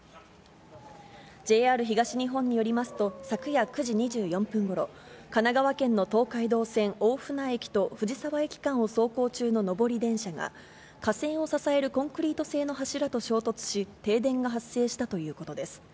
ＪＲ東日本によりますと、昨夜９時２４分ごろ、神奈川県の東海道線大船駅と藤沢駅間を走行中の上り電車が、架線を支えるコンクリート製の柱と衝突し、停電が発生したということです。